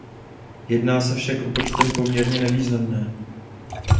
Jedná se však o počtem poměrně nevýznamné.